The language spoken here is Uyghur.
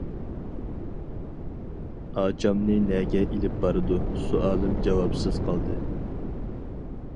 -ئاچامنى نەگە ئېلىپ بارىدۇ؟ . سوئالىم جاۋابسىز قالدى.